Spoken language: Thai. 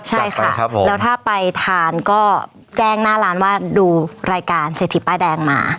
ใช่ค่ะแล้วถ้าไปทานก็แจ้งหน้าร้านว่าดูรายการเศรษฐีป้ายแดงมา